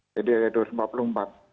jadi ada dua ratus empat puluh empat